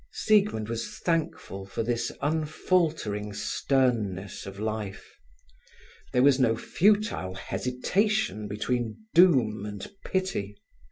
Siegmund was thankful for this unfaltering sternness of life. There was no futile hesitation between doom and pity.